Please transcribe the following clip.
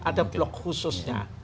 ada blok khususnya